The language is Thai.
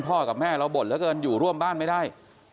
กับแม่เราบ่นเหลือเกินอยู่ร่วมบ้านไม่ได้